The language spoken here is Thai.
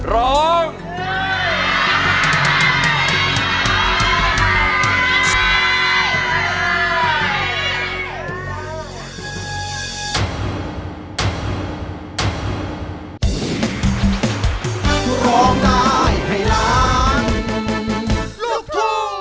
น้องพ่อสิให้นำบอก